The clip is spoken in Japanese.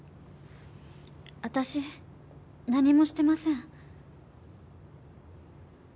私何もしてません。